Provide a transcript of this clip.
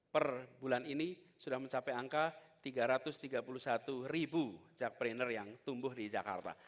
per bulan ini sudah mencapai angka tiga ratus tiga puluh satu ribu jakpreneur yang tumbuh di jakarta